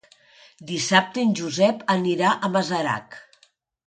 Dissabte en Josep anirà a Masarac.